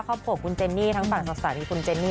ครอบครัวคุณเจนนี่ทางฝั่งศักดิ์สถานีคุณเจนนี่